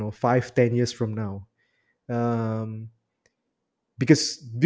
lima sepuluh tahun dari sekarang